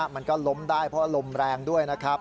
มันก็ล้มได้เพราะลมแรงด้วยนะครับ